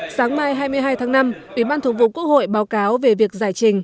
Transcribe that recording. sáng mai hai mươi hai tháng năm ủy ban thường vụ quốc hội báo cáo về việc giải trình